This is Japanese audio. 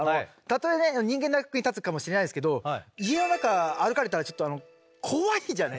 たとえね人間の役に立つかもしれないですけど家の中歩かれたらちょっと怖いじゃないですか。